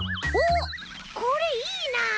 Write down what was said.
おっこれいいな！